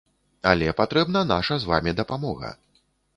Але патрэбна наша з вамі дапамога.